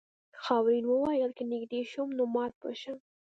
خاورین وویل که نږدې شم نو مات به شم.